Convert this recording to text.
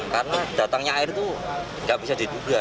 karena datangnya air itu tidak bisa diduga